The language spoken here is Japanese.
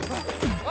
あ！